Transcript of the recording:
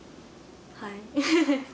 はい。